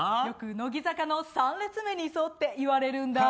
乃木坂の３列目にいそうっていわれるんだ。